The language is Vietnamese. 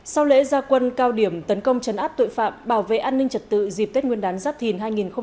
sau lễ gia quân cao điểm tấn công chấn áp tội phạm bảo vệ an ninh trật tự dịp tết nguyên đán giáp thìn hai nghìn hai mươi bốn